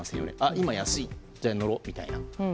今、安いから乗ろうみたいな。